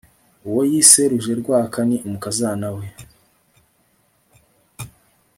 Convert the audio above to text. uwo yise rujerwaka ni umukazana we